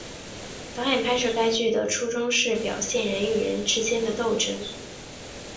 导演拍摄该剧的初衷是要表现人与人之间的斗争。